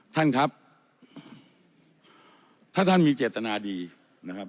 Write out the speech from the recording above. ท่านครับถ้าท่านมีเจตนาดีนะครับ